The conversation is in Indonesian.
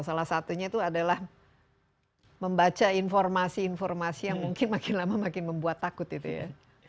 salah satunya itu adalah membaca informasi informasi yang mungkin makin lama makin membuat takut itu ya